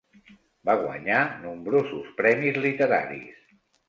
Va guanyar nombrosos premis literaris.